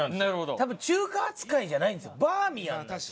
多分中華扱いじゃないんですよバーミヤンなんですよ。